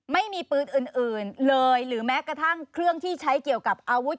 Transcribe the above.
ไม่มีปืนอื่นเลยหรือแม้กระทั่งเครื่องที่ใช้เกี่ยวกับอาวุธ